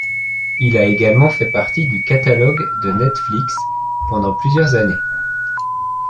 Il a également fait partie du catalogue de Netflix pendant plusieurs années.